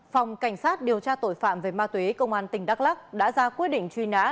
phòng cảnh sát điều tra tội phạm về ma túy công an tỉnh đắk lắc đã ra quyết định truy nã